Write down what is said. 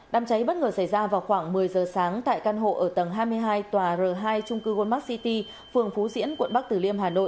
đám cháy bất ngờ xảy ra vào khoảng một mươi giờ sáng tại căn hộ ở tầng hai mươi hai tòa r hai trung cư goldmart city phường phú diễn quận bắc tử liêm hà nội